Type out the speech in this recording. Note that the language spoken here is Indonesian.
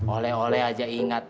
oleh oleh aja ingat